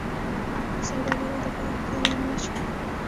د سوداګرۍ د پراختیا لامل شوه